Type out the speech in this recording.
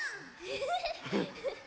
フフフフ。